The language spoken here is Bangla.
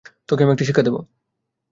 তোকে আমি একটা শিক্ষা দেব।